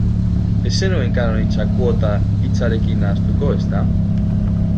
Ez zenuen kanon hitza kuota hitzarekin nahastuko, ezta?